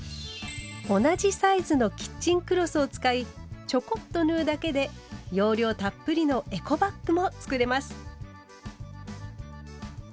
同じサイズのキッチンクロスを使いちょこっと縫うだけで容量たっぷりの「エコバッグ」も作れます。